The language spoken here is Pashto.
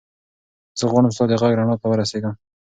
زه غواړم ستا د غږ رڼا ته ورسېږم.